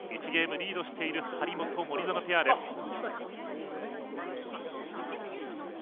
１ゲームリードしている張本、森薗ペアです。